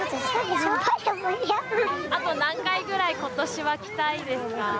あと何回ぐらいことしは来たいですか。